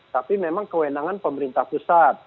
tapi memang kewenangan pemerintah pusat